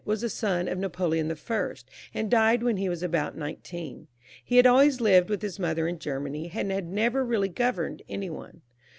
was the son of Napoleon L, who died when he was about nineteen, and had always lived with his mother in Germany, and had never really governed any one.